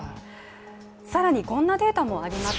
更に、こんなデータもあります。